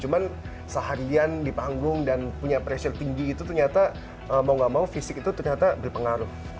cuman seharian di panggung dan punya pressure tinggi itu ternyata mau gak mau fisik itu ternyata berpengaruh